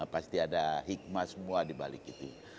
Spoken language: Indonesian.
pasti ada hikmah semua dibalik itu